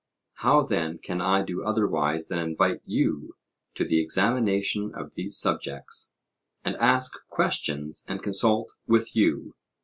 How then can I do otherwise than invite you to the examination of these subjects, and ask questions and consult with you?